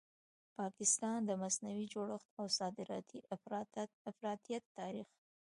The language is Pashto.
پاکستان؛ د مصنوعي جوړښت او صادراتي افراطیت تاریخ